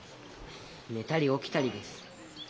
寝たり起きたりです。